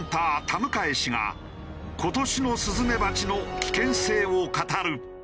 田迎氏が今年のスズメバチの危険性を語る！